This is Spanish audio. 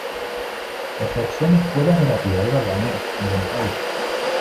Ejerció en escuelas de La Piedad y Balvanera, en Buenos Aires.